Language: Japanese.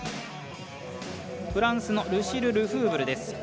フランスのルシル・ルフーブルです。